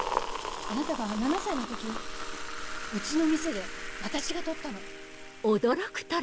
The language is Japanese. あなたが７歳の時うちの店で私が撮ったの。